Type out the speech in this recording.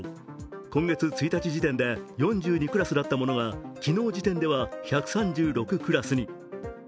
今月１日時点で４２クラスだったものが昨日時点では１３６クラスに。